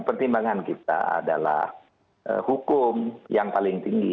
pertimbangan kita adalah hukum yang paling tinggi